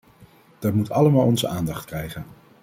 Dat moet allemaal onze aandacht krijgen.